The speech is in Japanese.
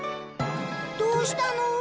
どうしたの？